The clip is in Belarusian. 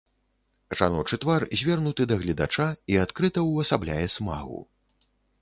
Жаночы твар звернуты да гледача і адкрыта ўвасабляе смагу.